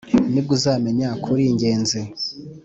nibwo uzamenya ko uri ingenzi